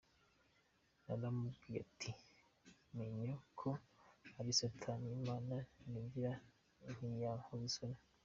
Naramubwiye nti : “Menye ko uri Satani Imana niringiye ntiyankoza isoni”.